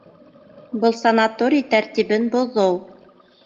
Был санаторий тәртибен боҙоу!